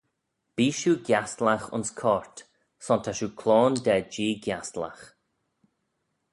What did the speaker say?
Bee shiu giastylagh ayns coyrt son ta shiu cloan da jee giastylagh.